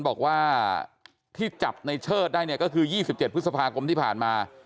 บอกว่าที่จับในเชิดได้เนี่ยก็คือ๒๗พฤษภาคมที่ผ่านมา